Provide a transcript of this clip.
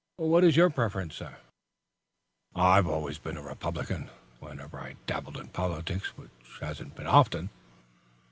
"What is your preference, sir?" "I've always been a Republican, whenever I dabbled in politics, which hasn't been often."